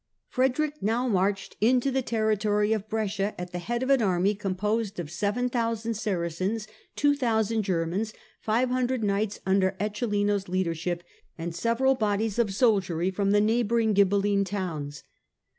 Frederick now marched into the territory of Brescia at the head of an army composed of 7000 Saracens, 2000 Germans, 500 knights under Eccelin's leadership, and several bodies of soldiery from the neighbouring Ghibel line towns.